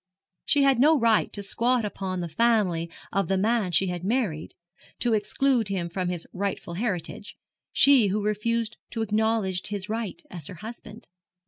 She had no right to squat upon the family of the man she had married to exclude him from his rightful heritage, she who refused to acknowledge his right as her husband.